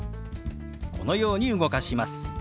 このように動かします。